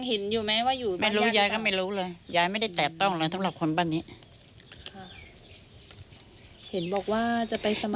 เห็นบอกว่าจะไปสมัยนะ